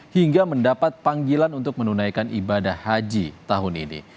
hingga mendapat panggilan untuk menunaikan ibadah haji tahun ini